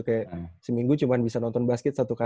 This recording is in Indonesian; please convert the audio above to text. kayak seminggu cuma bisa nonton basket satu kali